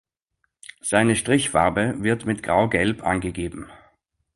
Seine Strichfarbe wird mit graugelb angegeben.